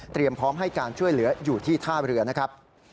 พร้อมให้การช่วยเหลืออยู่ที่ท่าเรือนะครับ